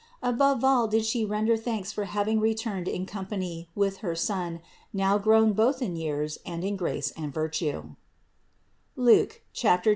Above all did She render thanks for having returned in company with her Son, now grown both in years and in grace and virtue (Luke 2, 40).